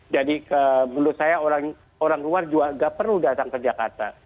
jadi menurut saya orang luar juga tidak perlu datang ke jakarta